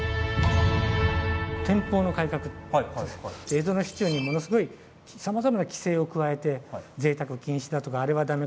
江戸の市中にものすごいさまざまな規制を加えてぜいたく禁止だとかあれはダメ